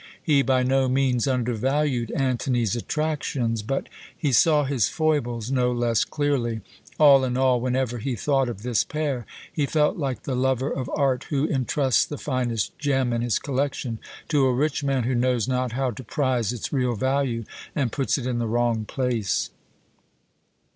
He by no means undervalued Antony's attractions; but he saw his foibles no less clearly. All in all, whenever he thought of this pair, he felt like the lover of art who entrusts the finest gem in his collection to a rich man who knows not how to prize its real value, and puts it in the wrong place.